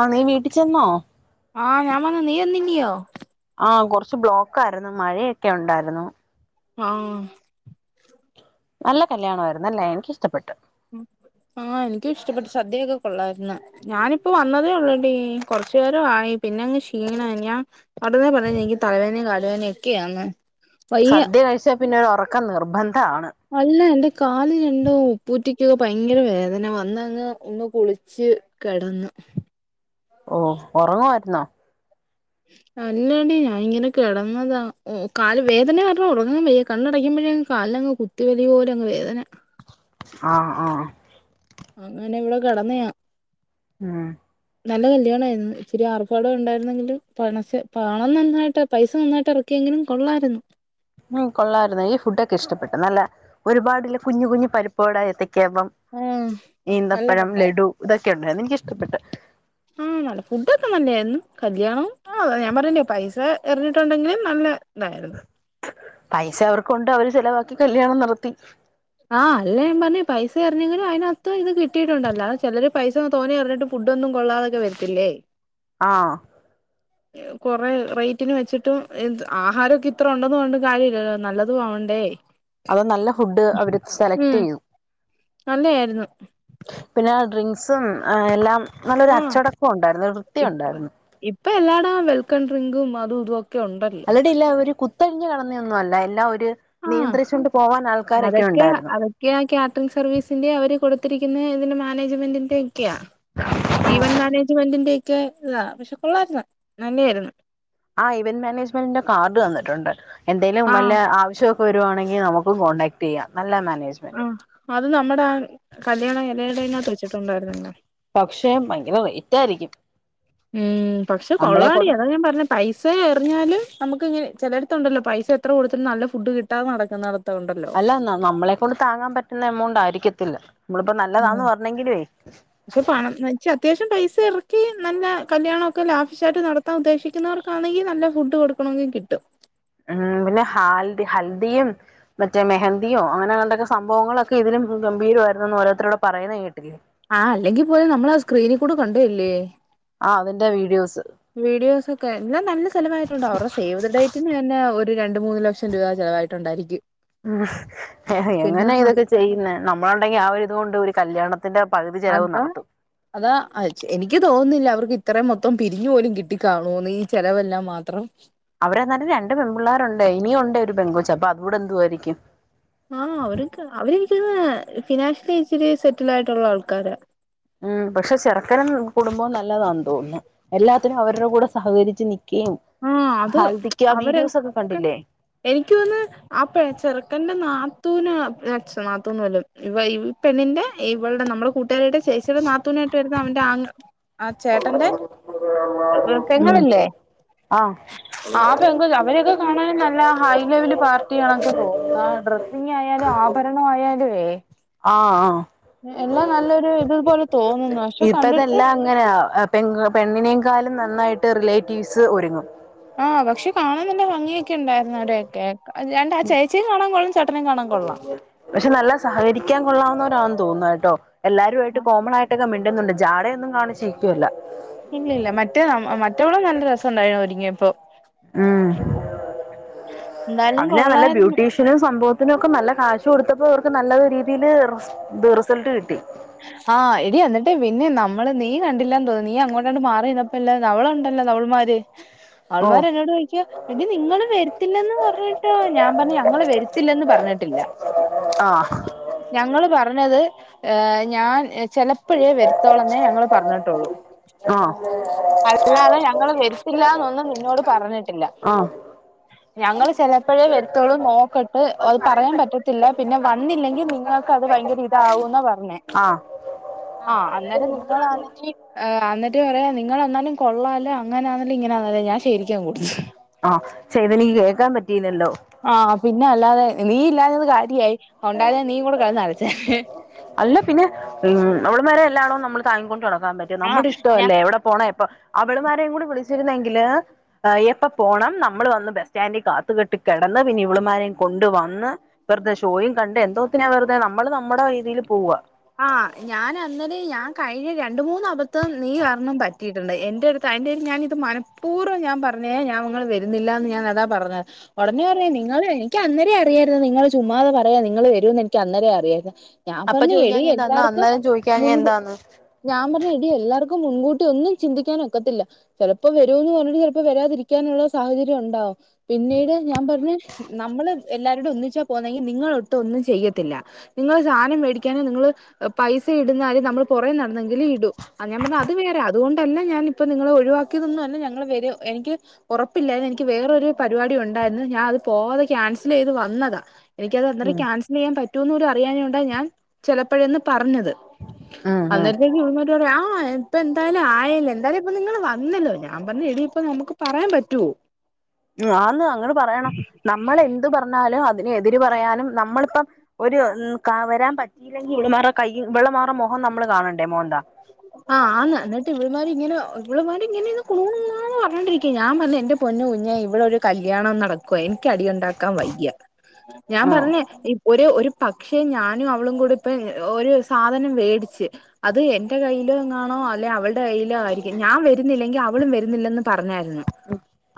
ആഹ് നീ വീട്ടി ചെന്നോ.? ആഹ് ഞാൻ വന്ന് നീ വന്നില്ലിയോ.? ആഹ കൊറച്ച് ബ്ലോക്ക് ആയ്ര്ന്ന് മഴയൊക്കെ ഒണ്ടായ്രുന്നു. ആഹ് നല്ല കല്യാണായിരുന്നല്ലേ എനിക്കിഷ്ടപ്പെട്ട്. ആഹ് എനിക്കും ഇഷ്ടപ്പെട്ടു സദ്യയൊക്കെ കൊള്ളായ്ര്ന്ന്. ഞാനിപ്പ വന്നതേ ഉള്ളടി കൊറച്ചു നേരാ ആയി പിന്നെങ്ങ് ക്ഷീണ ഞാ അവിടെന്ന് പറഞ്ഞ എനിക്ക് തലവേനെ കാല് വേനെ ഒക്കെയാന്ന്. വയ്യ സദ്യ കഴിച്ചാ പിന്നെ ഒരു ഒറക്കം നിർബന്ധണ്. അല്ല എന്റെ കാല് രണ്ടു ഉപ്പൂറ്റിക്കൊക്കെ ഭയങ്കര വേദന വന്നങ്ങ് ഒന്ന് കുളിച്ച് കെടന്നു ഓ ഒറങ്ങുവായ്ര്ന്നോ.? അല്ലടി ഞാൻ ഇങ്ങനെ കെടന്നതാ കല് വേദന ർണാ ഒറങ്ങാ വയ്യ കണ്ണടക്കുമ്പോഴെ അങ്ങ് കാൽനങ്ങ് കുത്തിവലിവ് പോലങ്ങ് വേദന. ആഹ ആഹ് അങ്ങനെ ഇവടെ കെടന്നെയാ. ഉം നല്ല കല്യാണ ആയിരുന്നു ഇച്ചിരി ആർഭാടം ഉണ്ടായിരുന്നെങ്കിലും പണസ പാണം നന്നായിട്ട് പൈസ നന്നായിട്ട് ഇറക്കിയെങ്കിലും കൊള്ളായിരുന്നു ഉം കൊള്ളാരുന്ന് ഈ ഫുഡൊക്കെ ഇഷ്ടപ്പെട്ടു നല്ല ഒരുപാട്ള്ള കുഞ്ഞ് കുഞ്ഞ് പരിപ്പ്വട ഏത്തക്കാപ്പം ആഹ് നല്ല ഈന്തപ്പഴം പടായിരുന്നു ലഡു ഇതൊക്കെ ഉണ്ടായിരുന്നു എനിക്കിഷ്ടപ്പെട്ട് ആഹ് നല്ല ഫുഡൊക്കെ നല്ലായിരുന്നു കല്യാണം ആ ഞാൻ പറഞ്ഞല്ലോ പൈസ എറിഞ്ഞിട്ടുണ്ടെങ്കിലും നല്ല ന്നായിരുന്നു പൈസ അവർക്കുണ്ട് അവര് ചെലവാക്കി കല്യാണം നടത്തി ആഹ് അല്ല ഞൻ പറഞ്ഞ് പൈസ എറിഞ്ഞെങ്കിലും അയ്നകത്ത് ഇത് കിട്ടിട്ടുണ്ടല്ലോ ചെലർ പൈസന്ന് തോനെ എറിഞ്ഞിട്ട് ഫുഡൊന്നും കൊള്ളാതൊക്കെ വരത്തില്ലേ ആഹ് [inaudible] [inaudible] കൊറെ റേറ്റിന് വെച്ചിട്ടും ആഹാരൊക്കെ ഇത്ര ഉണ്ടോന്ന് പറഞ്ഞിട്ട് കാര്യമില്ലല്ലോ നല്ലതും ആവണ്ടേ അത നല്ല ഫുഡ് അവര് സെലക്ട് ചെയ്യും നല്ലആയിരുന്നു പിന്നെ ആ ഡ്രിങ്ക്സും എല്ലാം നല്ലൊരു ആഹ് അച്ചടക്കം ഉണ്ടായിരുന്നു വൃത്തി ഇപ്പ ഉണ്ടായിരുന്നു ഇപ്പൊ എല്ലാടും വെൽക്കം ഡ്രിങ്കും അതും ഇതുംഓക്കെ ഉണ്ട് [unintelligible] ഇല്ല ഒരു കുത്തഴിഞ്ഞ് കടന്നൊന്നും അല്ല എല്ലാ ഒരു നിയന്ത്രിച്ചൊണ്ട് പോവാൻ ആൾക്കാരൊക്കെ ഉണ്ടായിരുന്നു കാറ്ററിങ് സർവീസിന്റെ അവര് കൊടുത്തിരിക്കുന്ന ഇതിന്റെ മാ മാനേജ്മെന്റ് ഒക്കെ ഈവൻ മാനേജ്മെന്റ് ക്കെ ഇല്ല പക്ഷെ കൊള്ളായിരുന്നു നല്ല ആയിരുന്നു ആ ഇവന്റ് മാനേജ്മെന്റിന്റെ കാർഡ് തന്നിട്ടുണ്ട് എന്തേലും ആഹ് വല്ല ആവശ്യം വരുവാണെങ്കിൽ നമുക്ക് കോൺടാക്ട് ചെയ്യാം നല്ല മാനേജ്മെന്റ് ആഹ് അത് നമ്മുടെ ആ കല്യാണ ഇലയുടെ ങ്ങകത്ത് വെച്ചിട്ടുണ്ടായിരുന്നല്ലെ പക്ഷെ ഭയങ്കര റേറ്റ് ആയിരിക്കും ഉം പക്ഷെ നമ്മളെ കൊള്ളാടി കൊണ്ട് അതാ ഞാൻ പറഞ്ഞ പൈസ എറിഞ്ഞാല് നമുക്ക് ഇങ്ങനെ ചിലയിടത്തുണ്ടല്ലോ പൈസ എത്ര കൊടുത്തിട്ടും നല്ല ഫുഡ് കിട്ടാതെ നടക്കുന്നുന്നത് അല്ല നമ്മളെ കൊണ്ട് താങ്ങാൻ പറ്റുന്ന എമൗണ്ട് ആയിരിക്കത്തില്ല നമ്മളിപ്പോ ഉം നല്ലതാന്ന് പറഞ്ഞെങ്കിലുവേ പണം എന്ന് പക്ഷെ അത്യാവശ്യം പൈസ ഇറക്കി നല്ല കല്യാണമൊക്കെ ലാവിശായിട്ട് നടത്താൻ ഉദ്ദേശിക്കുന്നവർക്കാണെങ്കിൽ നല്ല ഫുഡ് കൊടുക്കും ക്കണെങ്കിൽ കിട്ടും ഉം പിന്നെ ഹാൽദി ഹൽദിയും മറ്റേ മെഹന്തിയോ അങ്ങനത്തെക്കെ സംവങ്ങളൊക്കെ ഇതിലും ഗംഭീരമായിരുന്നുന്ന് ഓരോരുത്തർ ഇവിടെ പറയുന്ന കേട്ടിരുന്നു ആഹ് അല്ലെങ്കിൽ പോലെ നമ്മൾ ആ സ്ക്രീനിൽ കൂടെ കണ്ടല്ലേ ആ അതിന്റെ വീഡിയോസ് വീഡിയോസ് ഒക്കെ എല്ലാം നല്ല ചിലവായിട്ടുണ്ട് അവരുടെ സേവ് ദി ഡേറ്റിന് തന്നെ ഒരു രണ്ട് മൂന്ന് ലക്ഷം രൂപ ചെലവായിട്ട് ട്ടുണ്ടായിരിക്കും ഉ എങ്ങനാ ഇതൊക്കെ ചെയ്യുന്ന നമ്മളുണ്ടെങ്കിൽ ആ ഒരു ഇതുകൊണ്ട് ഒരു കല്യാണം ന്റെ പകുതി ചെലവും അതാ നടത്തും അതാ എനിക്ക് തോന്നുന്നില്ല അവർക്ക് ഇത്രയും മൊത്തം പിരിഞ്ഞു പോലും കിട്ടിക്കാണൂന്ന് ഈ ചെലവല്ലാം മാത്രം അവരെ എന്നാലും രണ്ട് പെൺ പിള്ളേരുണ്ട് ഇനിയ ഉണ്ട് ഒരു പെങ്കോച്ച അപ്പൊ അതുകൂടെ എന്തുവയിരിക്കും ആഹ് അവർ അവരെനിക്ക ഫിനാൻഷ്യലി ഇച്ചിരി സെറ്റിൽ ആയിട്ടുള്ള ആൾക്കാരാ ഉം പക്ഷെ ചെറുക്കനും കുടുംബം നല്ലതാണ് തോന്നുന്നു എല്ലാത്തിനും അവരുടെ കൂടെ സഹകരിച്ച് നൽക്കുകയും ആഹ് അത് ഹൽദിക്ക് ആ വീഡിയോസ ഒക്കെ അവരൊക്കെ കണ്ടില്ലേ എനിക്ക് വന്ന് ആ പ ചെറുക്കന്റെ നാത്തൂന്ച്ച നാത്തൂന്ന് പോല്ലും ഇവ ഈ പെണ്ണിന്റെ ഇവളടെ നമ്മുടെ കൂട്ടി യുടെ ചേച്ചിയുടെ നാത്തൂനായിട്ട് വരുന്ന അവന്റെ ആ ആഹ് ചേട്ടന്റെ ഉം പെങ്ങളല്ലേ ആഹ് ആ പെൺ കൊ അവരൊക്കെ കാണാനും നല്ല ഹൈ ലെവല് പാർട്ടിയാണൊക്കെ തോന്നുന്ന ആ ഒരു ഡ്ര ആയാലും ആഭരണ ആയാലും എ ആഹ് ആഹ് എല്ലാം നല്ലൊരു ഇത്പോലെ തോന്നുന്നു പക്ഷെ കണ്ടിട്ട് അങ്ങനെയ പെ പെണ്ണിനേക്കാളും നന്നായിട്ട് റിലേറ്റീവ്സ് ഒരുങ്ങും ആ പക്ഷെ കാണൻ നല്ല ഭംഗിയൊക്കെ ഉണ്ടായിരുന്നു അവരോയൊക്കെ ക രണ്ട ചേച്ചിയും കാണാൻ കൊള്ളും ചേട്ടനും കാണാൻ കൊള്ളാം പക്ഷെ നല്ല സഹകരിക്കാൻ കൊള്ളാവുന്നവരാണ് തോന്നുന്നു കേട്ടോ എല്ലാവരും ആയിട്ട് കോമൺ ആയിട്ട് ഇടകക്ക മിണ്ടുന്നുണ്ട് ജാടയൊന്നും കാണചിക്കുവല്ല ഇല്ലഇല്ല മറ്റേ മറ്റോളും നല്ല രസം ണ്ടായിരുന്നു ഒര്ങ്ങിയപ്പോ ഉം എന്തായാലും അതിന് നല്ല കൊള്ളായിരുന്നു ബ്യൂട്ടീശ് - ഷനും സംഭവത്തിനും ഒക്കെ നല്ല കാശ് കൊടുത്തപ്പോ അവർക്ക് നല്ല രീതിയില് റിസൾട്ട് കിട്ടി ആ എ ടി എന്നിട്ടേ പിന്നെ നമ്മള് നീ കണ്ടില്ലന്ന് തോന്നി നീ അങ്ങോട്ടണ്ട് മാറിന്ന അല്ല ന അവളുണ്ടല്ലോ നവൾമാര് ഓ അവൾമാര് എന്നോട് ചോദി ക്ക പിന്നെ നിങ്ങള് വരുത്തില്ലന്ന് പറഞ്ഞിട്ടോ ഞാൻ പറഞ്ഞു ഞങ്ങള് വരുത്തില്ലന്ന് പറഞ്ഞിട്ടില്ല ആഹ് ഞങ്ങള് പറഞ്ഞത് ഏഹ് ഞാൻ ചെലപ്പോഴേ വരുത്തോളെന്നേ ഞങ്ങള് പറഞ്ഞിട്ടുള്ളൂ ആ അല്ലാതെ ഞങ്ങള് വരുത്തില്ലന്നൊന്നും നിന്നോട് പറഞ്ഞിട്ടില്ല ആ ഞങ്ങള് ചെലപ്പഴേ വരുത്തുള്ളൂ നോക്കട്ട് പറയാൻ പറ്റത്തില്ല പിന്നെ വന്നില്ലെങ്കിൽ നിങ്ങൾക്കത് ഭയങ്കര ഇതാകൂന്നപർഞ്ഞെ ആ ആ അന്നേരം നിങ്ങളാന്നെങ്കി ആ അന്നിട്ട് പറയാ നിങ്ങളെന്നാലും കൊള്ളല്ലോ അങ്ങനാന്നല്ല ഇങ്ങനാന്നല്ലോ ഞാൻ ശരിക്കും കൊടു ത്തു ആ ഛെ അതെനിക്ക് കേക്കാൻ പറ്റീയില്ലല്ലോ ആ പിന്നെ അല്ലാതെ നീ ഇല്ലാഞ്ഞത് കാര്യായി, ഒണ്ടായ നീയും കൂടെ കടന്ന് അല ച്ചേനെ അല്ല പിന്നെ ഉം അവളുമാരെ എല്ലാം നമ്മള് താങ്ങി കൊണ്ട് നടക്കാൻ പറ്റൊ ആഹ് നമ്മുടെ ഇഷ്ട ഞാ അല്ലേ എവിടെ പോണ എപ്പൊ അവള്മാരെയും കൂടെ വിളിച്ചിരുന്നെങ്കില് എപ്പ പോണം നം നമ്മൾ വന്ന് ബസ് സ്റ്റാൻഡി കാത്ത് കെട്ടി കെടന്ന് പിന്നെ ഇവള്മാരെയും കൊണ്ട് വന്ന് വെറുതെ ഷോയും കണ്ട് എന്തോത്തിനാ വെറുതെ നമ്മള് നമ്മുടെ രീതിയില് പോവുക ആഹ് ഞാൻ അന്നേല് ഞാൻ കഴിഞ്ഞ രണ്ടു മൂന്നാപത്തം നീ കരണം പറ്റ റ്റിയിടുണ്ട്. എന്റെ അടുത്ത് അതിന്റെശം ഞാനത് മനഃപൂർവം ഞാ ൻ പറഞ്ഞെയ ഞാൻങ്ങള് വരുന്നില്ല എന്ന് ഞാൻതാ പറഞ്ഞത് ഉടനെ പറഞ്ഞ നിങ്ങള് എനിക്കന്നേരെ അറിയായിന്ന് നിങ്ങള് ചുമ്മാത പറയാ നിങ്ങള് വരൂന്ന് എനിക്ക് അന്നേരെ അറിയായിരുന്നു ഞാൻ അപ്പ പറഞ്ഞു എടി ചോയ്ക്കാഞ്ഞഎന്ത ന്നാ എല്ലാർക്കും അന്നേരം ചോദിക്കാഞ്ഞാ മുൻ എന്താന്ന് ഞാൻ പറഞ്ഞു എടി എല്ലാർക്കും മുൻകൂട്ടി ഒന്നും ചിന്തിക്കാനൊക്കത്തില്ല ചെലപ്പോ വരുവെന്ന് പറഞ്ഞിട്ട് ചെലപ്പോ വരാതിരിക്കാനുള്ള സാഹചര്യംണ്ടാവും പിന്നീട് ഞാൻ പറഞ്ഞ് നമ്മള് എല്ലാരൂടെ ഒന്നിച്ചാ പോന്നെങ്കിൽ നിങ്ങളൊട്ടും ഒന്നും ചെയ്യത്തില്ല നിങ്ങള് സാധനം മേടിക്കാനും നിങ്ങള് പൈസ ഇടുന്നല് നമ്മൾ പുറേ നടന്നെങ്കിലെ ഇടു ആ ഞാൻ പറഞ്ഞ അത് വേറെ അതുകൊണ്ടല്ല ഞാനിപ്പ നിങ്ങളെ ഒഴിവാക്കിയതൊന്നുംല്ല ഞങ്ങളവരും എനിക്ക് ഉറപ്പില്ലായിരുന്നു എനിക്ക് വേറൊരു പരിപാടി ഉണ്ടായിരുന്നു ഞാൻ അത് പോവാതെ ക്യാൻസലെയ്ത് വന്നതാ എനിക്കത് അന്നേരം ഉം ക്യാസൽ ചെയ്യാൻ പറ്റോന്ന് പോലും അറിയാഞ്ഞോണ്ട ഞാൻ അപ്പഴന്ന് പറഞ്ഞത്. ഉം ഉം അന്നേരത്തേക്ക്‌ ഇവള്മാ ആ ഇപ്പ എന്തായാലും ആയ ല്ലേ എന്തായാലും ഇപ്പ നിങ്ങള് വന്നല്ലോ ഞാൻ പറഞ്ഞ എടി പ്പ നമുക്ക് പറയാൻ പറ്റുവോ ആന്ന് അങ്ങനെ പറയണം. നമ്മളെന്ത് പറഞ്ഞാലും അതിന് എതിര് പറയാനും നമ്മളിപ്പം ഒരു കാ വരാൻ പറ്റിയില്ലെങ്കി ഇവളിമാറ കൈ ഇവളിമാറെ മോഹം നമ്മള് കാണണ്ടേ മോന്താ ആഹ് ആന്ന്, ന്നിട്ട് ഇവളി മാരിങ്ങനെ ഇവളി മാരിങ്ങനെയ കുണൂകുണന്ന് പറഞ്ഞൊണ്ടിരിക്കേ ഞാൻ പറഞ്ഞ എന്റെ പൊന്നു കുഞ്ഞേ ഇവിടൊരു കല്യാണം നടക്കുവാ യിന് ക്ക് അടിയുണ്ടാക്കാൻ വയ്യ ഞാൻ ഉം പറഞ്ഞ് ഇപ്പ ഒരു ഒരു പക്ഷേ ഞാനും അവളും കൂടി പ്പം ഒരു സാധനം വേടിച്ച് അത് എന്റെ കയ്യില് നിന്നാണോ അല്ലെ അവൾ ടെ കൈയ്യിലോആയിരിക്കും. ഞാൻ വരുന്നില്ലെങ്കി അവളും വരുന്നില്ലന്ന് പറഞ്ഞായിരുന്നു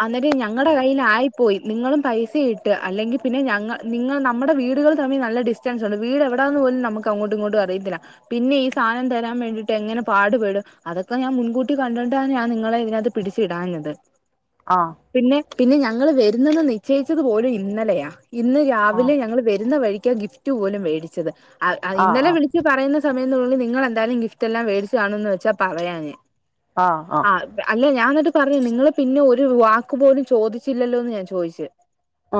അന്നേരം ഞങ്ങടെ കയിലായിപ്പോയി. നിങ്ങളും പൈസ ഇ ട്ട അല്ലെങ്കിൽ പിന്നെ ഞങ്ങ നിങ്ങൾ നമുടെ വീടുകൾ തമ്മിൽ നല്ല ഡിസ്റ്റൻസ്ണ്ട്. വീടെവിടാന്ന് പോലും നമ്മക്കങ്ങോട്ടും ഇങ്ങോട്ടും അറിയത്തില്ല പിന്നെ ഈ സാനം തരാൻ വേണ്ടി ട്ടെങ്ങനെ പാടുപെടും. അതൊക്കെ ഞാൻ മുൻകൂട്ടി കണ്ടണ്ടാണ് ഞാൻ നിങ്ങളെ ഇതിനകത്ത് പിടിച്ച ഇടാഞ്ഞത് ആഹ് പിന്നെ പിന്നെ ഞങ്ങള് വരുന്നെന്ന് നിശ്ചയിച്ചത് പോലും ഇന്നലെയാ ഇന്ന് ആഹ് രാവിലെ ഞങ്ങൾ വരുന്ന വഴിക്കാണ് ഗിഫ്റ്റ് പോലും മേടിച്ചത് ആ അ ആഹ് ഇന്നലെ ആഹ് വിളിച്ച ച്ച് പറയുന്ന സമയം എന്നുള്ളിൽ നിങ്ങളെന്തായാലും ഗിഫ്റ്റ് എല്ലാം മേടിച്ചു കാണന്ന് വെച്ചാ പറയാഞേ ആഹ് അല്ല ഞാൻ എന്നിട്ട് പറയും നിങ്ങള് പിന്നെ ഒരു വാക്ക് പോലും ചോദിച്ചില്ലല്ലോന്ന ഞാൻ ചോദിച്ചെ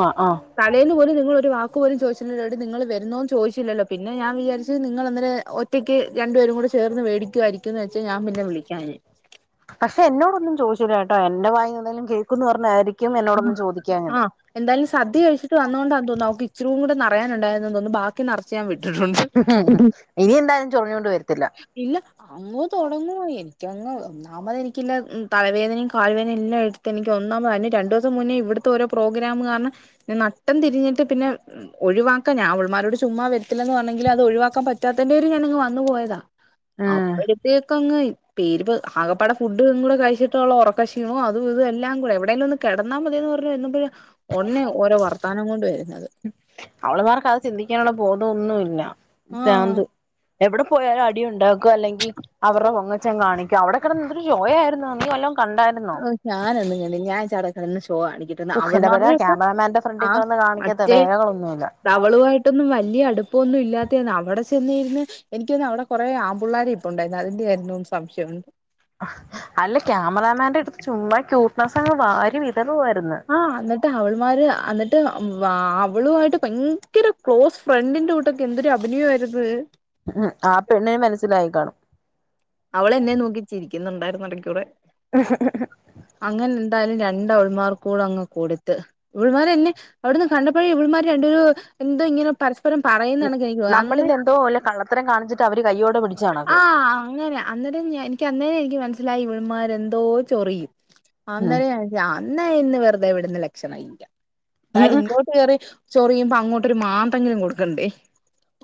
ആഹ് ആഹ് തലേുന്നുപോലും നിങ്ങൾ ഒരു വാക്ക് പോലും ചോദിച്ചില്ലല്ലോന്നട്ട് നിങ്ങൾ വരുന്നോന്ന് ചോദിച്ചില്ലല്ലോ പിന്നെ ഞാൻ വിചാരിച്ച് നിങ്ങൾ ഇന്നലെ ഒ റ്റക്ക് രണ്ടു പേരും കൂടി ചേർന്ന് വേടിക്കുവായിരിക്കന്ന് വെച്ചാ ഞാൻ പിന്നെ വിളിക്കാഞ്ഞെ പക്ഷെ എന്നോടൊന്നും ചോദിച്ചില്ല കേട്ടോ എന്റെ വായിന്ന് എന്തേലും കേൾക്കന്ന് പറഞ്ഞായിരിക്കും എന്നോടൊന്നും ചോദിക്കാഞ്ഞത് ആഹ് എന്തായാലും സദ്യ കഴിചിട്ട് വന്നതോണ്ടാ തോന്നുന്നു അവക്ക് ഇച്ചരിം കൂടെ നറയാനുണ്ടായിരുന്നു തോന്നുന്നു ബാ ക്കി നറച്ച് ഞാൻ വിട്ടിട്ടുണ്ട് ഇനി എന്തായാലും ചൊറിഞ്ഞോണ്ട് വരത്തില്ല ഇല്ല അങ്ങ് തുടങ്ങുവ എനിക്കങ്ങ് അന്നാമത് എനിക്ക് ഇല്ലെ തലവേദനയും കാൽവേദനയും എലാം എടുത്ത് എനിക്ക് ഒന്നാമത് അതിന് രണ്ട് [unintelligible] മുന്നേ ഇവിടത്തെ ഓരോ പ്രോഗ്രാം കാരണം ഞാൻ നട്ടം തിരിഞ്ഞിട്ട് പിന്നെ ഒഴിവാക്ക ഞൻ അവളുമാരോട് ചുമ്മാ വരത്തില്ലെന്ന് പറഞ്ഞെങ്കി ലെ അത് ഒഴിവാക്കാൻ പറ്റാത്തൻന്റെര് ഞാനിങ് വന്നു പോയതാ ഉം അപ്പഴത്തെ ക്കങ്ങു പെരിപ്പ് ആകപ്പാട ഫുഡ് കൂടെ കഴിച്ചിട്ടുള്ള ഉറക്കശഷീണോ അതും ഇതും എല്ലാം കൂടെ എവിടെങ്കിലും ഒന്ന് കെടന്നാൽ മതിയന്ന് പറഞ്ഞു ഇരുന്നപ്പയ ഒടനെ ഓരോ വർത്താനം കൊണ്ട് വരുന്നത് അവള്മാർക്ക് അത് ചിന്തിക്കാനുള്ള ബോധം ഒന്നുല്ല ആഹ് ഭ്രാന്ത് എവിടെ പോയാലും അടി ഉണ്ടാക്ക അല്ലെങ്കിൽ അവരുടെ പൊങ്ങച്ചം കാണിക് ക്ക അവിടെ കടന്ന് എന്തൊരു ഷോ ആരുന്നു നീ വല്ലോം കണ്ടായിരുന്നൊ ഓഹ് ഞാനൊന്നും ഇങ്ങനെ ഞാൻ ചടക്കന്ന് ഷോ കാണിക്ക [unintelligible] ഉഫ് അവൾ എന്റെ പൊന്നോ മാരുടെ ഒക്കെ ക്യാമറാമാന്റെ ഫ്രണ്ടിൽ ആഹ് കിടന്ന് കാണിക്കാത്ത മറ്റേ വേലകളൊന്നുമില്ല അവളു ആയിട്ടൊന്നും വലിയ അടുപ്പൊന്നും ഇല്ലാത്ത അവിടെ ചെന്നിരുന്ന് എനക്ക് തോന്നണു അവിടെ കുറെ ആൺ പിള്ളേര്‌ ഇരിപ്പ് ഉണ്ടായിരുന്നു അതിന്റെ ആരുന്നു സംശയണ്ട് അല്ല ക്യാമറാമാന്റെ അടുത്ത് ചുമ്മാ ക്യൂട്ട്നെസ്സ് അങ്ങ് വാരി വിതറുവായിരുന്നു ആഹ് എന്നിട്ട് അവൾമാര് എന്നിട്ട് അവളുമായിട്ട് ഭയങ്കര ക്ലോസ് ഫ്രണ്ടിന്റെ കൂട്ടൊക്കെ എന്തൊരു അഭിനയ ആരുന്നു ഉം ആ പെണ്ണിനെ മനസ്സിലായി കാണും അവള് എന്നെ നോക്കി ചിരിക്കുന്നുണ്ടായിരുന്നു എടക്കൂടെ മ് മ് അങ്ങനെ എന്തായാലും രണ്ട് അവൾമാർ കൂടെ അങ്ങ് കൊടുത്ത് ഇവൾമാരന്നെ അവിടെന്ന് കണ്ടപ്പഴെ ഇവൾമാര് രണ്ടു പേ എന്തോ ഇങ്ങനെ പരസ്പരം പറയുന്നണക്ക എനിക്ക് നമ്മളിൽ അന്ന് എന്തോ വല്ല കള്ളത്തരം കാണിച്ചിട്ട് അവര് കയ്യോടെ പിടിച്ച കണക്ക് ആഹ് അങ്ങനെ അന്നേരം എനിക്ക് അന്നേ എനിക്ക് മനസ്സിലായി ഇവൾന്മാരെ എന്തോ ചൊറിയും ഉം അന്നേരം ഞാൻ ന്ന ഇന്ന് വെറുതെവിടുന്ന ലക്ഷണം ഇല്ല ഉം എന്തായാലും ഉം ഇങ്ങോ കേറി ചൊറിയുമ്പൊ അങ്ങോട്ടൊരു മാന്തെങ്കിലും കൊടുക്കണ്ടേ?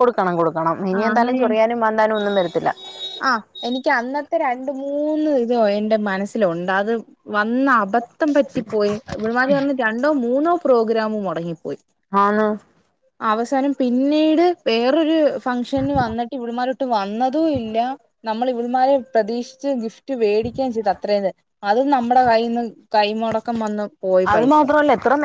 കൊടുക്കണം കൊടുക്കണം ഇനി ആഹ് അങ്ങനെ എന്തായാലും ഞാൻ ചൊറിയാനും മാന്താനും ഒന്നും വരത്തില്ല ആഹ് എനിക്ക് അന്നത്തെ രണ്ട് മൂന്ന് ഇതോ എന്റെ മനസ്സിലുണ്ട് അത് വന്ന അബദ്ധം പറ്റിപ്പോയി ഇവളുമാർ വന്ന് രണ്ടോ മൂന്നോ പ്രോഗ്രാമ് മുടങ്ങിപ്പോയി ആന്ന് അവസാനം പിന്നീട് വേറൊരു ഫംഗഷന് വന്നിട്ട് ഇവളുമാരോട്ട് വന്നതും ഇല്ല നമ്മള് ഇവളുമാരെ പ്രതീക്ഷിച്ച് ഗിഫ്റ്റ് വേടിക്കയും ചെയ്തു അത്രേന്ന് അതും നമ്മുടെ കൈൽ നിന്ന് കൈ മുടക്കം വന്ന് പോയി പൈസ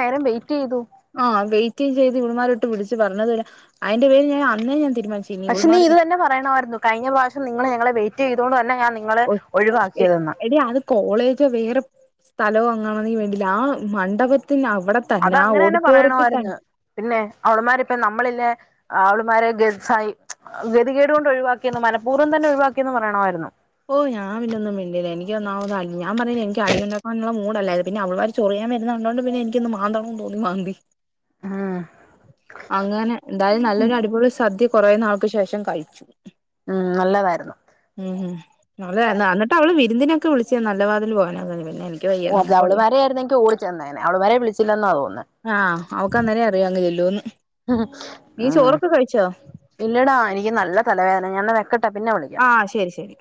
നെരം വെയിറ്റ് ചെയ്തു ആഹ് വെയിറ്റും ചെയ്ത് ഇവൾമാരൊട്ട് വിളിച്ച് പറഞ്ഞതുല്ല. അയ്ന്റെ പേരിൽ ഞാൻ അന്നേ ഞാൻ തീരുമാനിച് പക്ഷെ നീ ഇത് തന്നെ പറയണമായിരുന്നു. കഴിഞ്ഞ പ്രാവശ്യം നിങ്ങള് ഞങ്ങളെ വെയിറ്റ് ചെയ്തോണ്ട് അല്ല ഞാൻ നി നിക്കുന്നെ ങ്ങള് ഒഴിവാക്കിയതെന്ന്. എടി അത് കോളേജോ വേറെ സ്ഥലവോ അങ്ങണന് വേണ്ടില്ല, ആ മണ്ഡപത്തിന്നവടെ അത് തന്നെ ആ അങ്ങനെ ഓഡിറ്റോറിയത്തി തൻ പറയണമായിരുന്നു പിന്നെ അവള്മാരിപ്പം നമ്മളില്ലേ ആവളുമാരെ ഗട് സഹി ഗതികേട്കൊണ്ട് ഒഴിവാക്കിയെന്ന് മനപൂർവ്വം തന്നെ ഒഴിവാക്കിയെന്ന് പറയണമായിരുന്നു. ഓഹ് ഞാൻ പിന്നൊന്നും മിണ്ടീല്ല എനിക്കൊന്നാമത് ഞാൻ പറഞ്ഞിലേ എനിക്ക് അടിയുണ്ടാക്കാനുള്ള മൂടല്ലായിരുന്നു പിന്നെ അവൾമാര് ചൊറിയാൻ വരുന്ന കണ്ടോണ്ട് പിന്നെ എനിക്കൊന്ന് മാന്തണം ന്ന് തോന്നി മാന്തി. ഉം അങ്ങനെ എന്തായാലും നല്ലൊരു അടിപൊളി സദ്യ കുറെ നാൾക്ക്ശേഷം കഴിച്ചു ഉം നല്ലതായിരുന്നു ഉം ഉം അതെ അന്നട്ട് അവള് വിരുന്നിനൊക്കെ വിളിച്ച് നല്ല വാതിൽ പോകാനാന്ന് പറഞ് പിന്നെ എനി ഓഹ് അത് അവള്ൾമാരെ ആയിരുന്നെങ്കി ഓടി ചെന്നേനെ അവള്മാരെ വിളിച്ചില്ലെന്നാ തോന്നുന്നെ. ആഹ് അവക്ക്‌ അന്നേരേ അറിയാംങ്ങ് ചെല്ലോന്ന്. ഉം നീ ചോറൊക്കെ കഴിച്ചോ? ഇല്ലടാ എനിക്ക് നല്ല തലവേന ഞാൻ ന്നാ വെക്ക ആഹ് ശെരി ശെരി.